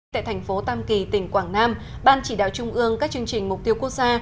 tại thành phố tam kỳ tỉnh quảng nam ban chỉ đạo trung ương các chương trình mục tiêu quốc gia